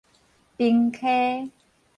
平溪